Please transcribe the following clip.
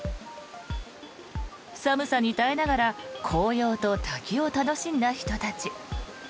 寒さに耐えながら紅葉と滝を楽しんだ人たち。